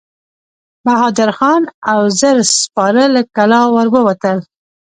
بهادر خان او زر سپاره له کلا ور ووتل.